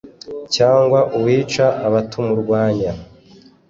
cyangwa uwica abatamurwanya ‘